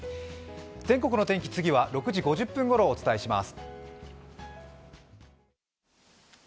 全国の天気、次は６時５０分ごろお伝えします。